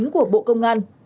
của bộ công an